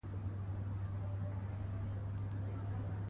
شفافه پرېکړې د شخړو او شکونو مخه نیسي